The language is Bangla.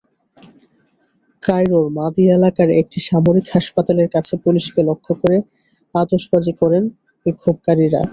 কায়রোর মাদি এলাকার একটি সামরিক হাসপাতালের কাছে পুলিশকে লক্ষ্য করে আতশবাজি করেন বিক্ষোভকারীরা।